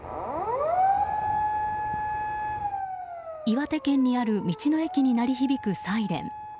岩手県にある道の駅に鳴り響くサイレン。